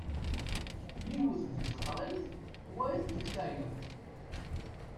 Yiwet deg teqrint, wayeḍ deg tayeḍ.